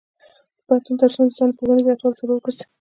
د پوهنتون درسونه د ځان پوهې زیاتوالي سبب ګرځي.